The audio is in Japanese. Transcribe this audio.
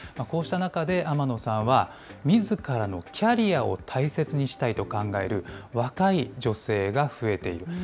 こうした中で、天野さんは、みずからのキャリアを大切にしたいと考える若い女性が増えている。